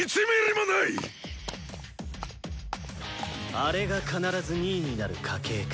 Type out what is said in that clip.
あれが必ず２位になる家系か。